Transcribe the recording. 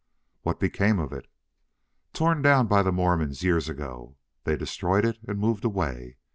"What became of it?" "Torn down by Mormons years ago. They destroyed it and moved away.